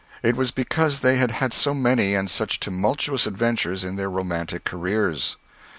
It was because they had had so many and such tumultuous adventures in their romantic careers.